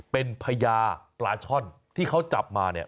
เป็นพญาปลาช่อนที่เขาจับมาเนี่ย